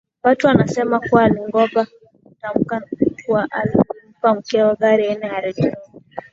watu wanasema kuwa aliongopa kutamka kuwa alimpa mkewe gari aina ya Range Rover